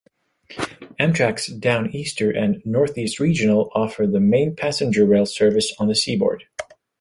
Amtrak's "Downeaster" and "Northeast Regional" offer the main passenger rail service on the Seaboard.